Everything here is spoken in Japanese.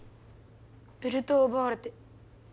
ベルトをうばわれて。